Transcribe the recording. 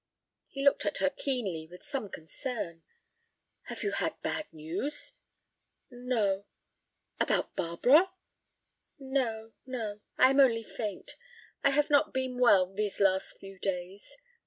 He looked at her keenly, with some concern. "Have you had bad news—" "No—" "—about Barbara?" "No, no, I am only faint. I have not been well these last few days."